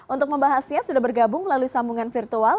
untuk membahasnya sudah bergabung melalui sambungan virtual